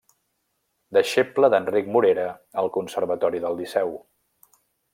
Deixeble d'Enric Morera al Conservatori del Liceu.